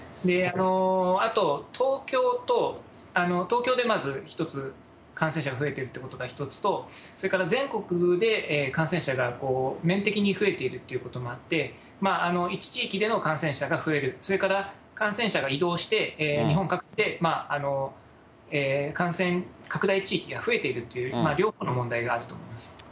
あと、東京でまず１つ、感染者が増えてるということが１つと、それから全国で感染者が面的に増えているっていうこともあって、一地域での感染者が増える、それから感染者が移動して、日本各地で感染拡大地域が増えているっていう、両方の問題があると思います。